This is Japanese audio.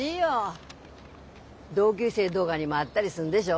同級生どがにも会ったりすんでしょ？